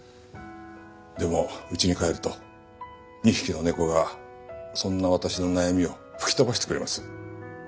でもうちに帰ると２匹の猫がそんな私の悩みを吹き飛ばしてくれます。